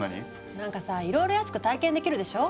なんかさいろいろ安く体験できるでしょ？